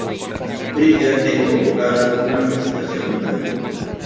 Briga ten convocada unha concentración en Madrid.